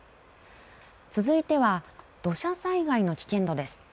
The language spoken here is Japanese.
続いては土砂災害の危険度です。